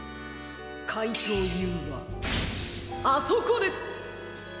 かいとうＵはあそこです！